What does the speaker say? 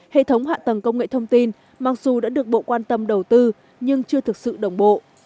hệ thống hạ tầng công nghệ thông tin mặc dù đã được bộ quan tâm đầu tư nhưng chưa thực sự đồng bộ